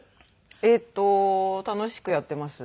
えっと楽しくやっています。